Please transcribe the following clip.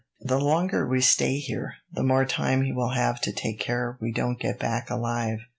The longer we stay here, the more time he will have to take care we don't get back alive.